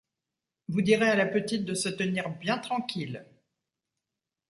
Vous direz à la petite de se tenir bien tranquille.